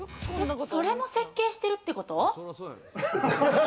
それも設計してるってこと？